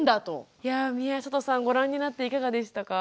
いや宮里さんご覧になっていかがでしたか？